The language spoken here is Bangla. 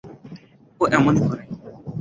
ও এমনই করে।